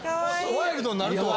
ワイルドになるとは。